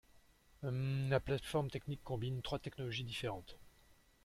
La plate-forme technique combine trois technologies différentes.